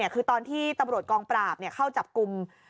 คือตอนที่ตำรวจกองปราบเข้าจับกลุ่ม